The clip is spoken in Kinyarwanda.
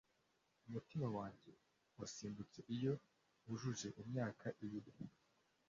Umutima wanjye wasimbutse iyo wujuje imyaka ibiri